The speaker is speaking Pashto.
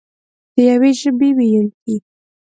د یوې ژبې ویونکي.